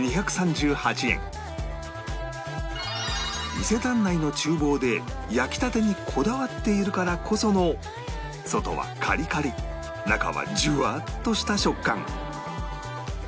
伊勢丹内の厨房で焼き立てにこだわっているからこその外はカリカリ中はジュワっとした食感